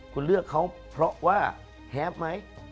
คุณเลือกเขาเพราะว่าแฮปไหม